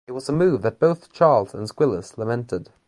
It was a move that both Charles and Squillace lamented.